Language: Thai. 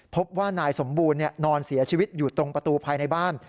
พบว่านายสมบูรณ์นอนเสียชีวิตอยู่ตรงประตูภายในบ้าน